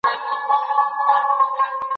تاسي ولي په دغي ډېري جګي لاري باندې نه تېرېږئ؟